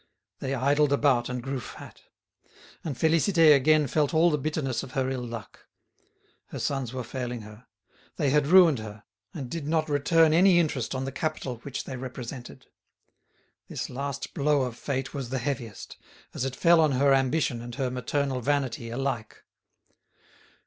They idled about and grew fat. And Félicité again felt all the bitterness of her ill luck. Her sons were failing her. They had ruined her, and did not return any interest on the capital which they represented. This last blow of fate was the heaviest, as it fell on her ambition and her maternal vanity alike.